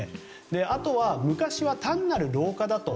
あとは昔は単なる老化だと。